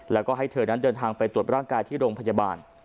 แล้วก็ให้เธอนั้นเดินทางไปตรวจร่างกายที่โรงพยาบาล